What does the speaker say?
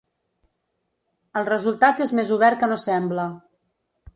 El resultat és més obert que no sembla.